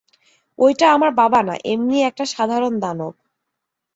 ঐটা আমার বাবা না, এমনিই একটা সাধারণ দানব।